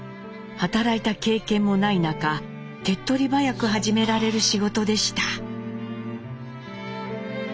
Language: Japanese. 働いた経験もない中手っとり早く始められる仕事でした。